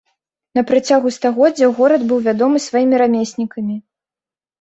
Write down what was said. На працягу стагоддзяў горад быў вядомы сваімі рамеснікамі.